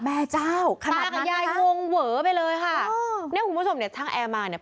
แม่เจ้าขนาดนั้นนะคะค่ะค่ะคุณผู้ชมช่างแอร์มาเนี่ย